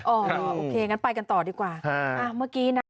อ๋อโอเคงั้นไปกันต่อดีกว่าฮ่าอ้าวเมื่อกี้นะ